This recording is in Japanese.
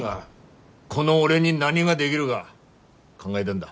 この俺に何がでぎるが考えだんだ。